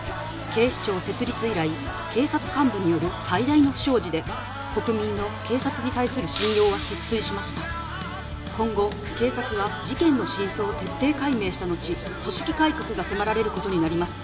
警視庁設立以来警察幹部による最大の不祥事で国民の警察に対する信用は失墜しました今後警察は事件の真相を徹底解明したのち組織改革が迫られることになります